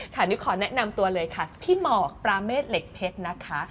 หนูขอแนะนำตัวเลยค่ะพี่หมอกปราเมฆเหล็กเพชรนะคะ